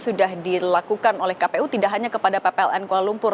sudah dilakukan oleh kpu tidak hanya kepada ppln kuala lumpur